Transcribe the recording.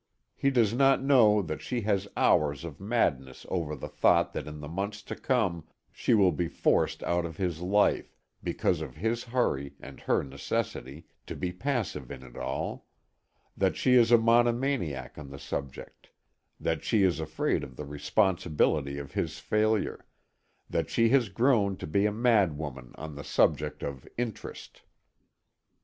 He does not know that she has hours of madness over the thought that in the months to come, she will be forced out of his life, because of his hurry and her necessity to be passive in it all; that she is a monomaniac on the subject; that she is afraid of the responsibility of his failure; that she has grown to be a madwoman on the subject of "interest."